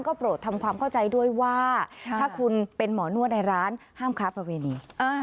โปรดทำความเข้าใจด้วยว่าถ้าคุณเป็นหมอนวดในร้านห้ามค้าประเวณี